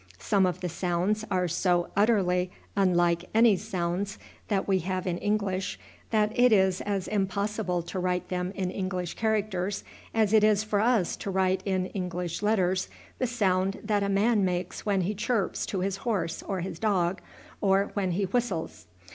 Some of the sounds are so utterly unlike any sounds that we have in English that it is as impossible to write them in English characters as it is for us to write in English letters the sound that a man makes when he chirps to his horse or his dog, or when he whistles.